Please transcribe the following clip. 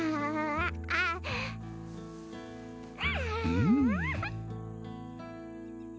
うん